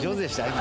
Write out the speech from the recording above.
今。